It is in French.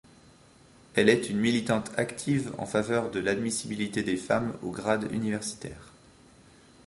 Elle est une militante active en faveur de l'admissibilité des femmes aux grades universitaires.